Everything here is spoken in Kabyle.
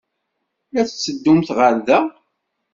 La d-tetteddumt ɣer da?